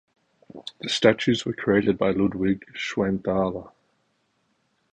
The statues were created by Ludwig Schwanthaler.